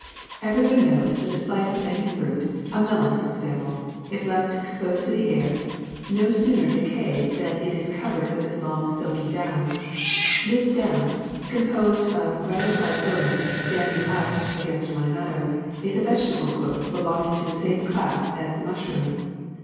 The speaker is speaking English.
Every one knows that a slice of any fruit, a melon for example, if left exposed to the air, no sooner de cays than it is covered with a long silky do^^^l. This down, composed of ramified filaments standing up against one another, is a vegetable gro^vth belonging to the same class as the mushroom.